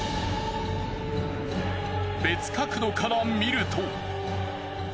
別角度から見ると。